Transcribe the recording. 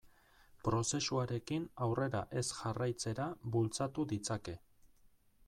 Prozesuarekin aurrera ez jarraitzera bultzatu ditzake.